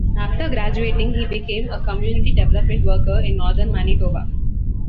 After graduating, he became a community development worker in northern Manitoba.